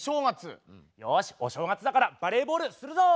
よしお正月だからバレーボールするぞ！